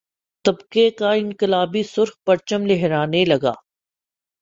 طبقے کا انقلابی سرخ پرچم لہرانے لگا